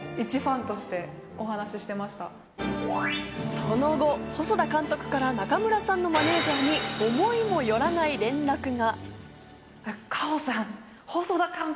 その後、細田監督から中村さんのマネジャーに思いもよらない連絡が。